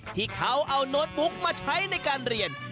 ที่เขาเอาโน้ตบุ๊กมาใช้ในการเรียน